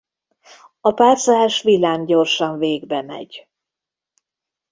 A párzás villámgyorsan végbemegy.